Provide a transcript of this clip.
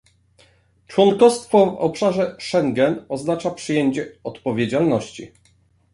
Członkostwo w obszarze Schengen oznacza przyjęcie odpowiedzialności